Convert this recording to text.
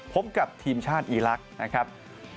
พบกับทีมชาติอีลักษณ์นะครับ